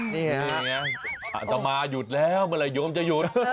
นี่ไงอาตมาหยุดแล้วเมื่อไหโยมจะหยุด